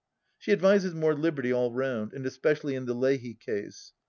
She advises more liberty all roimd, and especially in the Leahy case.